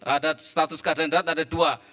ada status keadaan darat ada dua